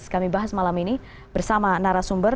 kami bahas malam ini bersama narasumber